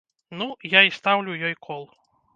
Ну, я і стаўлю ёй кол.